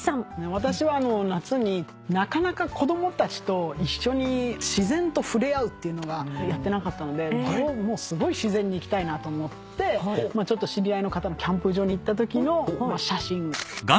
私は夏になかなか子供たちと一緒に自然と触れ合うっていうのがやってなかったのですごい自然に行きたいなと思って知り合いの方のキャンプ場に行ったときの写真。